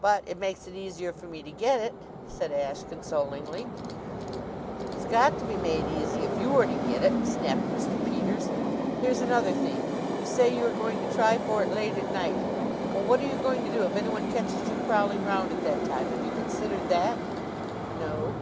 "But it makes it easier for me to get it," said Ashe consolingly. "It's got to be made easy if you are to get it!" snapped Mr. Peters. "Here's another thing: You say you are going to try for it late at night. Well, what are you going to do if anyone catches you prowling round at that time? Have you considered that?" "No."